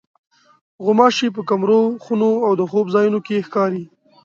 غوماشې په کمرو، خونو او د خوب ځایونو کې ښکاري.